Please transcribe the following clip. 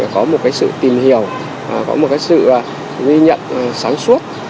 có một sự tìm hiểu có một sự ghi nhận sáng suốt